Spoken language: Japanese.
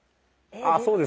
あそうです